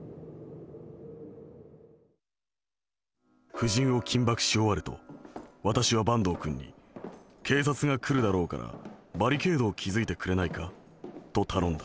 夫人を緊縛し終わると私は坂東君に警察が来るだろうからバリケードを築いてくれないかと頼んだ」。